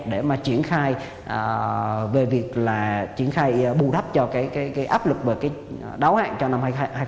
để triển khai bù đắp cho áp lực và đáo hạng cho năm hai nghìn hai mươi bốn